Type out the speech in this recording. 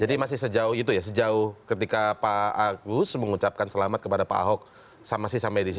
jadi masih sejauh itu ya sejauh ketika pak agus mengucapkan selamat kepada pak ahok masih sampai di situ